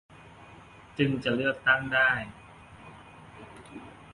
จึงจะเลือกตั้งได้